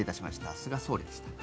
すが総理でした。